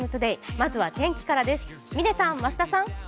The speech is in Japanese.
まずは天気からです。